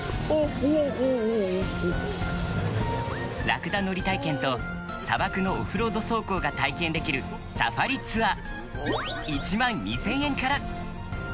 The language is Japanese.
ラクダ乗り体験と砂漠のオフロード走行が体験できるサファリツアー１万２０００円から。